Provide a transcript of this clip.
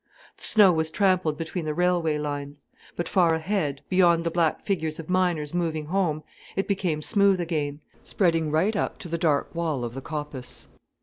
The snow was trampled between the railway lines. But far ahead, beyond the black figures of miners moving home, it became smooth again, spreading right up to the dark wall of the coppice.